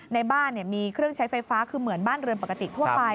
ในบ้านมีเครื่องใช้ไฟฟ้าคือเหมือนบ้านเรือนปกติทั่วไป